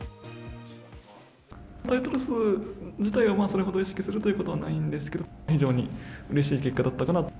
タイトル数自体は、それほど意識するということはないんですけど、非常にうれしい結果だったかなと。